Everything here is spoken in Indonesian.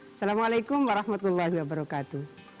assalamu'alaikum warahmatullahi wabarakatuh